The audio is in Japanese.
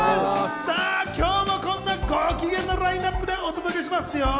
今日もこんな御機嫌なラインナップでお届けしますよ。